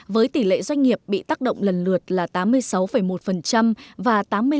với tỷ lệ doanh nghiệp bị tác động lần lượt là tám mươi sáu một và tám mươi năm